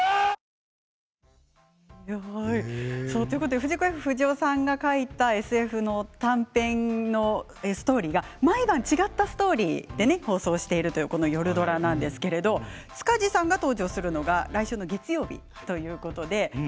藤子・Ｆ・不二雄さんが描いた、ＳＦドラマ短編のストーリーが毎晩違ったストーリーで放送している夜ドラですが塚地さんが登場するのは来週の月曜日です。